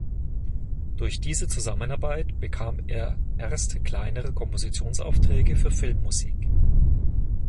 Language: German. Durch diese Zusammenarbeit bekam er erste kleinere Kompositionsaufträge für Filmmusik.